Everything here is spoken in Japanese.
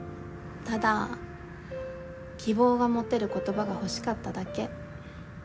ただ希望が持てる言葉が欲しかっただけ。